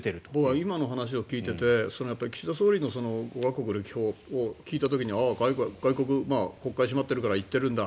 今の話を聞いていて岸田総理の５か国歴訪を聞いた時ああ、外国国会が閉まってるから行ってるんだ。